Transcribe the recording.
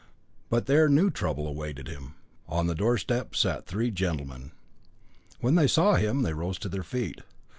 But there new trouble awaited him. On the doorstep still sat the three gentlemen. When they saw him they rose to their feet.